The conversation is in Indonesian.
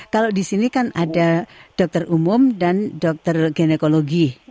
kalau di sini kan ada dokter umum dan dokter genekologi